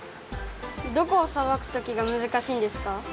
どこをさばくときがむずかしいんですか？